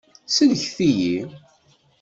Sellket-iyi!